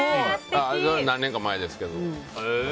何年か前ですけど。